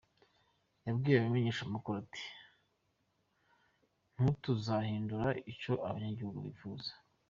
Yabwiye abamenyeshamakuru ati:"Ntutuzohindura ico abanyagihugu bipfuza.